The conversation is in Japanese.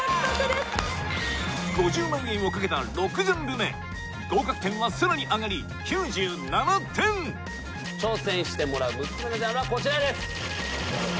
５０万円を懸けた６ジャンル目合格点はさらに上がり９７点挑戦してもらう６つ目のジャンルはこちらです。